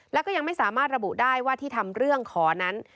แล้วก็ยังไม่สามารถระบุได้ว่าที่ทำเรื่องขอนั้น